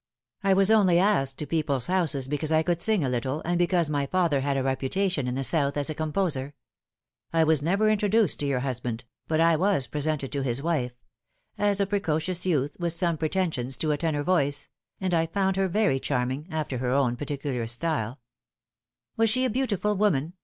I was only asked to people's houses because I could sing a little, and because my father had a reputation in the South as a composer. I was never introduced to your husband, but I was presented to his wife as a precocious youth with some pretensions to a tenor voice and I found her very chtcming after her own particular style." Lifting the Curtain, 127 "Was she a beautiful woman?"